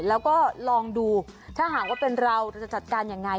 แล้วก็ลองดูถ้าหากว่าเป็นเราเราจะจัดการยังไง